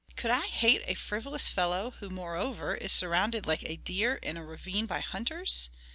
"Could I hate a frivolous fellow, who, moreover, is surrounded, like a deer in a ravine by hunters!